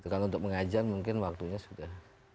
kalau untuk mengajar mungkin waktunya sudah